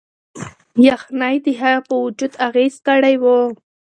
یخنۍ د هغه په وجود اغیز کړی و.